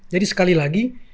jadi sekali lagi